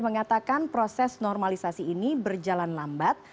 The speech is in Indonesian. mengatakan proses normalisasi ini berjalan lambat